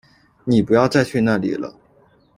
妳不要再去那里了